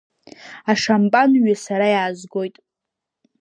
Ашампанҩы сара иаазгоит.